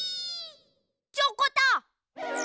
チョコタ！